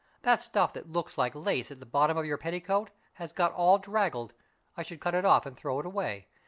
That stuff that looks like lace at the bottom of your petticoat has got all draggled. I should cut it off and throw it away.